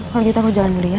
kalau gitu aku jalan dulu ya